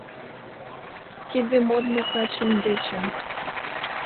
Тиде модмо качем дечын